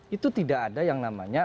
itu tidak ada yang namanya